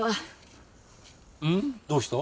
どうした？